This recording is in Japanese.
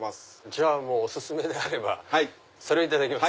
じゃあお薦めであればそれいただきます。